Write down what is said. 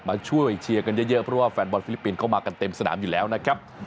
มาช่วยเชียร์กันเยอะเพราะว่าแฟนบอลฟิลิปปินส์เข้ามากันเต็มสนามอยู่แล้วนะครับ